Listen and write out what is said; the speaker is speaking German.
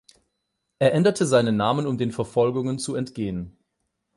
Er änderte seinen Namen, um den Verfolgungen zu entgehen.